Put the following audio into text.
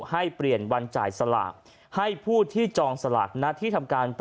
ให้เปลี่ยนวันจ่ายสลักให้ผู้ที่จองสลัก